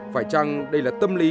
phải chăng đây là tâm lý